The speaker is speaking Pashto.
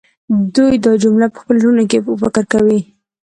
دوی دا جمله په خپلو زړونو کې فکر کوي